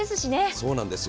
そうなんですよ。